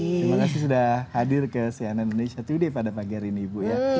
terima kasih sudah hadir ke cnn indonesia today pada pagi hari ini ibu ya